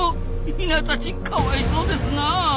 ヒナたちかわいそうですなあ。